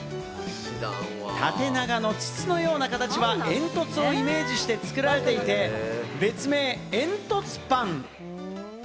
縦長の筒のような形は煙突をイメージして作られていて、別名・煙突パン。